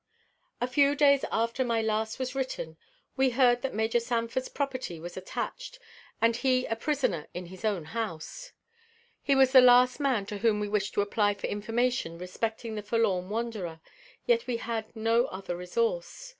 A few days after my last was written, we heard that Major Sanford's property was attached, and he a prisoner in his own house. He was the last man to whom we wished to apply for information respecting the forlorn wanderer; yet we had no other resource.